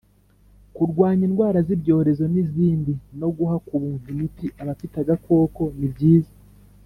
kurwanya indwara z ibyorezo n izindi no guha ku buntu imiti abafite agakoko nibyiza